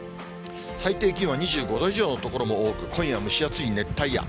最低気温は２５度以上の所も多く、今夜は蒸し暑い熱帯夜。